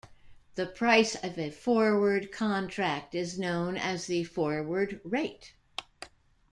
The price of a forward contract is known as the forward rate.